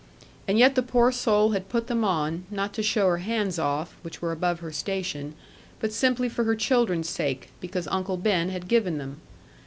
And yet the poor soul had put them on, not to show her hands off (which were above her station) but simply for her children's sake, because Uncle Ben had given them.